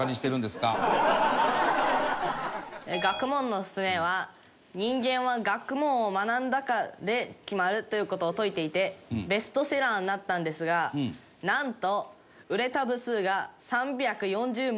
『学問のすゝめ』は「人間は学問を学んだかで決まる」という事を説いていてベストセラーになったんですがなんと売れた部数が３４０万部。